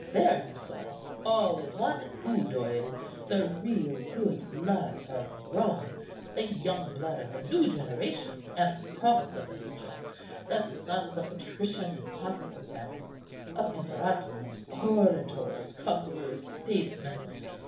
There you saw, all in one coup d'œil, the real good blood of Rome, the young blood of the new generation, and promise of the future; the sons of patrician and consular families, of imperators, orators, conquerors, statesmen.